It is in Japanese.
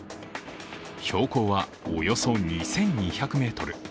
標高はおよそ２２００ｍ。